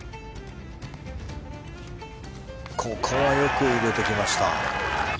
ここはよく入れてきました。